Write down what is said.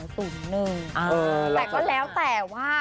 แต่ก็แล้วแต่ว่า